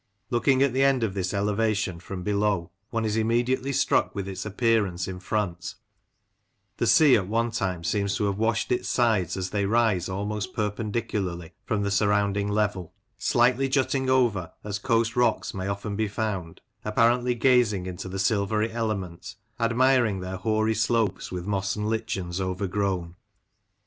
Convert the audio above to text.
Looking at the end of this elevation from below, one is immediately struck with its appearance in front ; the sea at one time seems to have washed its sides, as they rise almost perpendicularly from the surrounding level; slightly jutting over, as coast rocks may often be found, apparently gazing into the silvery element, admiring their hoary slopes with moss and lichens overgrown.